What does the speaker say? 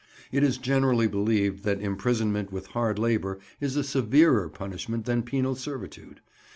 It is generally believed that imprisonment with hard labour is a severer punishment than penal servitude.